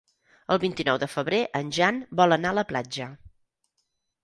El vint-i-nou de febrer en Jan vol anar a la platja.